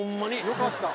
よかった。